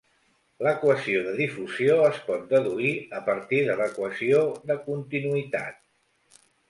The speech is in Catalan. L'equació de difusió es pot deduir a partir de l'equació de continuïtat.